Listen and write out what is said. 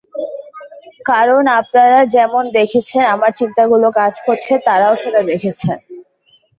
কারণ আপনারা যেমন দেখেছেন আমার চিন্তাগুলো কাজ করছে, তাঁরাও সেটা দেখেছেন।